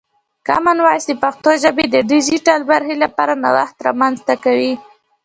کامن وایس د پښتو ژبې د ډیجیټل برخې لپاره نوښت رامنځته کوي.